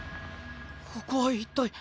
ここは一体。